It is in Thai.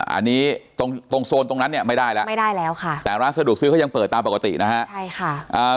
อันนี้ตรงโซนตรงนั้นไม่ได้แล้วแต่ร้านสะดวกซื้อเขายังเปิดตามปกตินะครับ